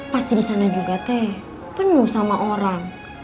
pasti disana juga teh penuh sama orang